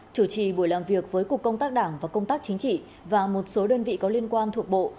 chủ trì buổi làm việc với cục công tác đảng và công tác chính trị và một số đơn vị có liên quan thuộc bộ